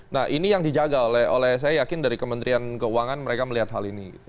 nah ini yang dijaga oleh saya yakin dari kementerian keuangan mereka melihat hal ini